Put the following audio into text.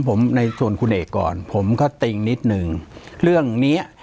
ปากกับภาคภูมิ